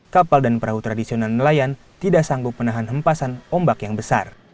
kapal dan perahu tradisional nelayan tidak sanggup menahan hempasan ombak yang besar